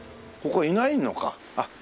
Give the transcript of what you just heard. ここいないのか。